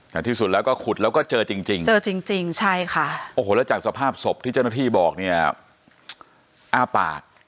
แต่ที่สุดแล้วก็ขุดแล้วก็เจอจริงแล้วจากสภาพศพที่เจ้าหน้าที่บอกเนี่ยอ้าปากค้าง